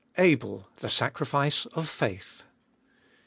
ABEL— THE SACRIFICE OF FAITH.